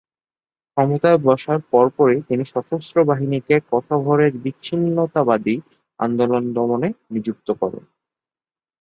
ক্ষমতায় বসার পরপরই তিনি সশস্ত্র বাহিনীকে কসোভোর বিচ্ছিন্নতাবাদী আন্দোলন দমনে নিযুক্ত করেন।